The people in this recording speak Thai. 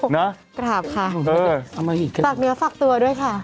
น่ะเออเอามาอีกแล้วนะครับฝากเนื้อฝากตัวด้วยค่ะ